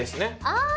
ああ！